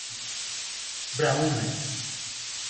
Braúnas